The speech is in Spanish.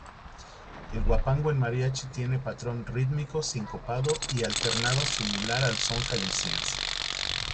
El huapango en mariachi tiene patrón rítmico sincopado y alternado similar al son jalisciense.